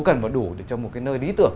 cần đủ để cho một cái nơi lý tưởng